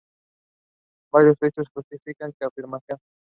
Varios hechos justifican esta afirmación.